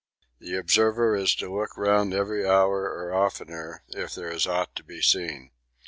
The observer is to look round every hour or oftener if there is aught to be seen.